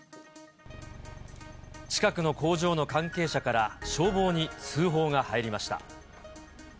近くの工場の関係者から消防に通報が入りました。